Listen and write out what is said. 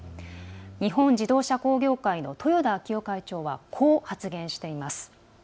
日本自動車工業会の豊田章男会長はこう発言しています。